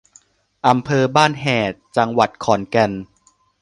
อำเภอบ้านแฮด จังหวัดขอนแก่น